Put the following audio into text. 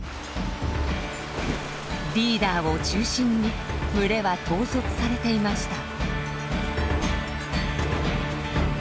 リーダーを中心に群れは統率されていました。